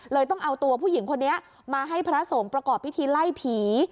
ต้องเอาตัวผู้หญิงคนนี้มาให้พระสงฆ์ประกอบพิธีไล่ผี